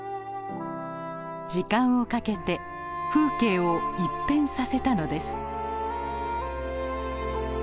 時間をかけて風景を一変させたのです。